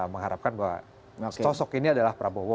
mengharapkan bahwa sosok ini adalah prabowo